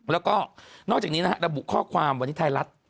แล้วก็นอกจากนี้นะฮะระบุข้อความวันนี้ไทยรัฐ